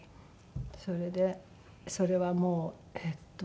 それでそれはもうえっと